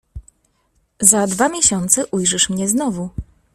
"Za dwa miesiące ujrzysz mnie znowu."